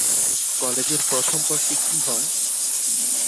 কলেজের প্রথম বর্ষে কী হয়?